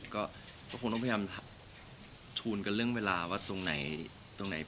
คงต้องพยายามเข้าให้ดูเท่าไหร่